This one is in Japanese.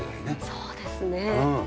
そうですね。